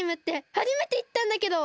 はじめていったんだけど！